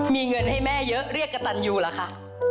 มีเงินให้แม่เยอะเรียกกระตันยูเหรอคะ